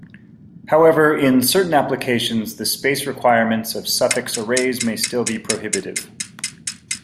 However, in certain applications, the space requirements of suffix arrays may still be prohibitive.